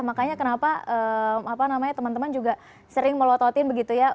makanya kenapa temen temen juga sering melototin begitu ya